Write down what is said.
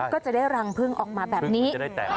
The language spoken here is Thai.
ก็จะได้รังพึ่งออกมาแบบนี้